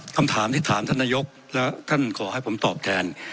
คำถามที่ถามท่านนายกและท่านขอให้ผมตอบแทน